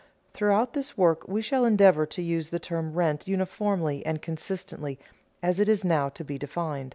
Throughout this work we shall endeavor to use the term rent uniformly and consistently as it is now to be defined.